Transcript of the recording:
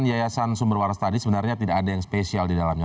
yayasan sumber waras tadi sebenarnya tidak ada yang spesial di dalamnya